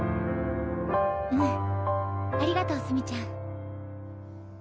うんありがとう墨ちゃん。